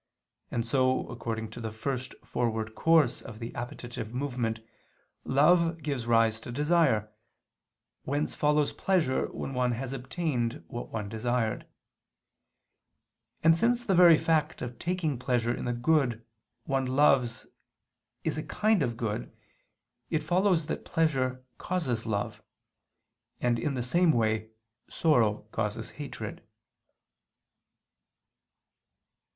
And so according to the first forward course of the appetitive movement, love gives rise to desire, whence follows pleasure when one has obtained what one desired. And since the very fact of taking pleasure in the good one loves is a kind of good, it follows that pleasure causes love. And in the same way sorrow causes hatred.